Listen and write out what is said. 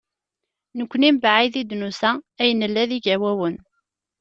Nekkni mebɛid i d-nusa, ay nella d igawawen.